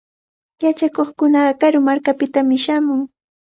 Yachakuqkunaqa karu markakunapitami shamun.